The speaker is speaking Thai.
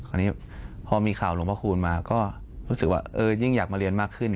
คราวนี้พอมีข่าวหลวงพระคูณมาก็รู้สึกว่ายิ่งอยากมาเรียนมากขึ้น